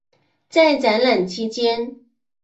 在展览期间。